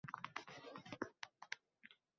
Qarori ham qabul qilinmaydi